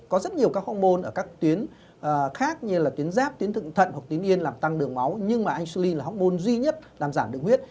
có rất nhiều hormôn ở các tuyến khác như tuyến giáp tuyến thận tuyến yên làm tăng đường máu nhưng insulin là hormôn duy nhất làm giảm đường huyết